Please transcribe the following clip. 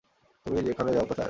তুমি ওখানে যাও - কোথায়?